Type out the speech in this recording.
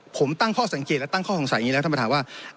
ผมตั้งข้อสังเกตและตั้งข้อสงสัยอย่างนี้แล้วท่านประธานว่า